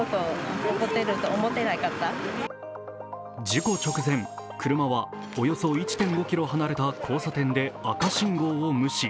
事故直前、車はおよそ１．５ｋｍ離れた交差点で赤信号を無視。